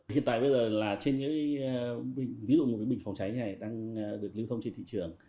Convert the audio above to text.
hiện tại bây giờ là trên những bình phòng cháy này đang được lưu thông trên thị trường